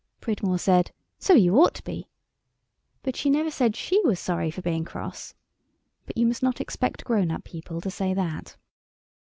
Pridmore said, "So you ought to be." But she never said she was sorry for being cross. But you must not expect grown up people to say that.